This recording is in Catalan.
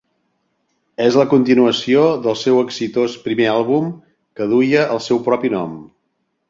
És la continuació del seu exitós primer àlbum, que duia el seu propi nom.